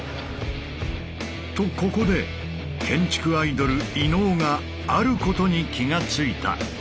とここで建築アイドル伊野尾が「あること」に気が付いた。